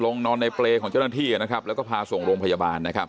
ห้องนอนในเปรย์ของเจ้าน้าที่นะครับแล้วก็พาส่งโรงพยาบาล